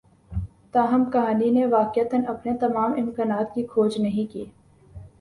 تاہم کہانی نے واقعتا اپنے تمام امکانات کی کھوج نہیں کی